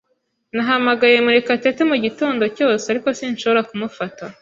Nahamagaye Murekatete mugitondo cyose, ariko sinshobora kumufata.